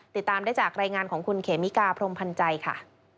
ติดตามได้จากรายงานของคุณเขมิกาพรมพันธ์ใจค่ะ